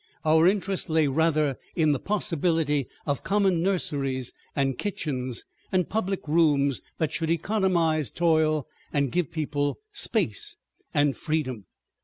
Our interest lay rather in the possibility of common nurseries and kitchens and public rooms that should economize toil and give people space and freedom.